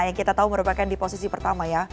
yang kita tahu merupakan di posisi pertama ya